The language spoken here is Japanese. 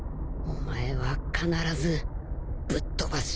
お前は必ずぶっ飛ばす！